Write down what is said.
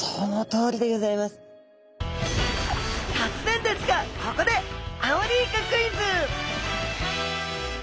とつぜんですがここでアオリイカクイズ！